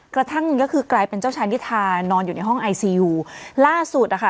กระทั่งก็คือกลายเป็นเจ้าชายนิทานอนอยู่ในห้องไอซียูล่าสุดนะคะ